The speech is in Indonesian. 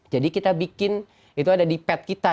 jadi kita bikin itu ada di pet kita